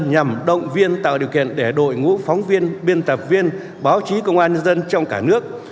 nhằm động viên tạo điều kiện để đội ngũ phóng viên biên tập viên báo chí công an nhân dân trong cả nước